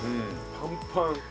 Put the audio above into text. パンパン。